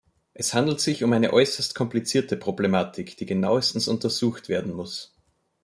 Es handelt sich um eine äußerst komplizierte Problematik, die genauestens untersucht werden muss.